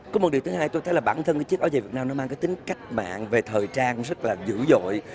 có một điều thứ hai tôi thấy là bản thân cái chiếc áo dài việt nam nó mang cái tính cách mạng về thời trang rất là dữ dội